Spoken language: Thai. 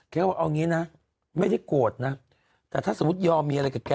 ว่าเอางี้นะไม่ได้โกรธนะแต่ถ้าสมมุติยอมมีอะไรกับแก